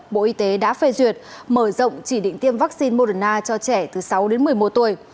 bộ y tế đã phê duyệt mở rộng chỉ định tiêm vaccine moderna cho trẻ từ sáu đến một mươi một tuổi